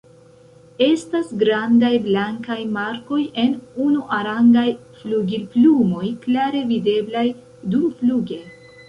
Estas grandaj blankaj markoj en unuarangaj flugilplumoj, klare videblaj dumfluge.